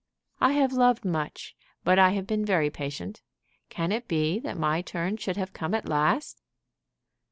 I have loved much, but I have been very patient. Can it be that my turn should have come at last?"